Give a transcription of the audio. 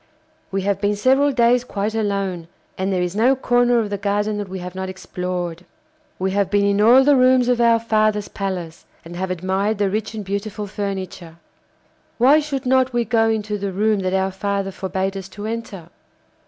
We have been several days quite alone, and there is no corner of the garden that we have not explored. We have been in all the rooms of our father's palace, and have admired the rich and beautiful furniture: why should not we go into the room that our father forbad us to enter?